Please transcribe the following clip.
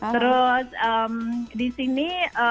terus di sini